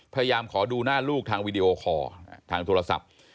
พยายามขอดูหน้าลูกทางวีดีโอคอร์ทางโทรศัพท์